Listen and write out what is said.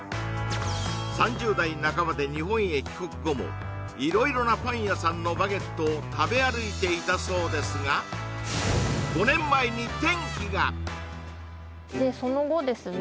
３０代半ばで日本へ帰国後も色々なパン屋さんのバゲットを食べ歩いていたそうですがでその後ですね